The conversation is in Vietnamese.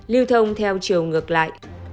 lưu thông theo chiều ngược lại